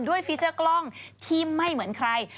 ฟีเจอร์กล้องที่ไม่เหมือนใคร